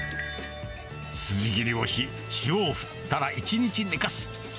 筋切りをし、塩を振ったら１日寝かす。